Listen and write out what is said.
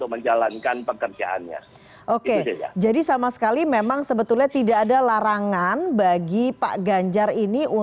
ketua dpp pdi perjuangan